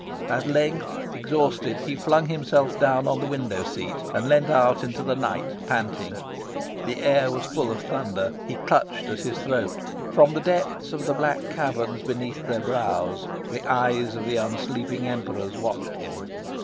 At length, exhausted, he flung himself down on the window seat and leaned out into the night, panting. The air was full of thunder. He clutched at his throat. From the depths of the black caverns beneath their brows the eyes of the unsleeping Emperors watched him.